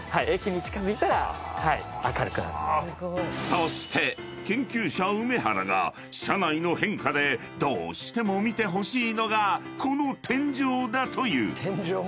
［そして研究者梅原が車内の変化でどうしても見てほしいのがこの天井だという］